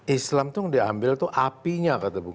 islam itu diambil itu apinya